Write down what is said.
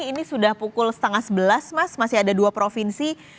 ini sudah pukul setengah sebelas mas masih ada dua provinsi